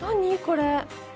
これ。